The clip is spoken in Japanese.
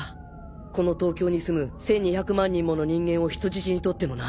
この東京に住む１２００万人もの人間を人質に取ってのな。